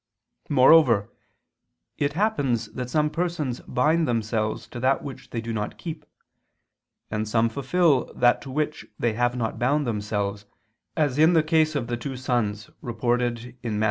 Moreover it happens that some persons bind themselves to that which they do not keep, and some fulfil that to which they have not bound themselves, as in the case of the two sons (Matt.